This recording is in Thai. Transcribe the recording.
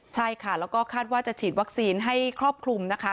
ใช่ค่ะแล้วก็คาดว่าจะฉีดวัคซีนให้ครอบคลุมนะคะ